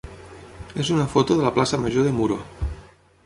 és una foto de la plaça major de Muro.